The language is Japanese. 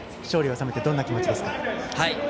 勝利を収めてどんな気持ちですか？